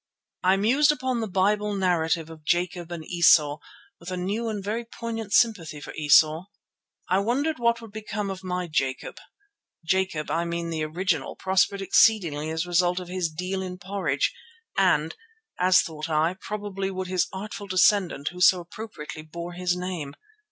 I mused upon the Bible narrative of Jacob and Esau with a new and very poignant sympathy for Esau. I wondered what would become of my Jacob. Jacob, I mean the original, prospered exceedingly as a result of his deal in porridge, and, as thought I, probably would his artful descendant who so appropriately bore his name.